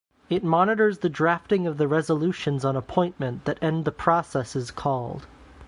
It monitors the drafting of the resolutions on appointment that end the processes called.